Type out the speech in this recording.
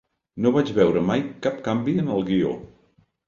No vaig veure mai cap canvi en el guió.